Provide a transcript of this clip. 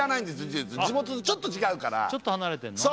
実を言うと地元とちょっと違うからちょっと離れてるの？